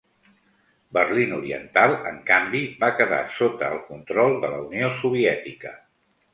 Berlín Oriental, en canvi, va quedar sota el control de la Unió Soviètica.